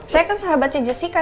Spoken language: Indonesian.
saya kan sahabatnya jessica